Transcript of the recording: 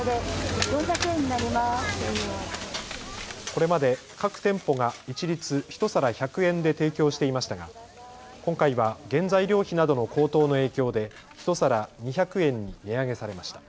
これまで各店舗が一律１皿１００円で提供していましたが今回は原材料費などの高騰の影響で１皿２００円に値上げされました。